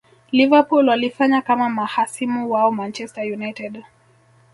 liverpool walifanya kama mahasimu wao manchester united